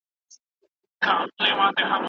ناڅاپه ماشوم شم،